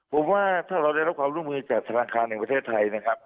ผมว่าถ้าเราได้รับความรุ่นมือจากสถานการณ์อันดับประเทศไทยนะครับ